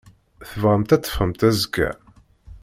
Tebɣamt ad teffɣemt azekka?